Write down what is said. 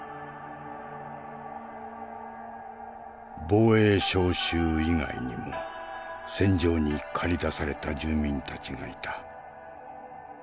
防衛召集以外にも戦場に駆り出された住民たちがいた。